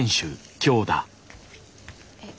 えっ。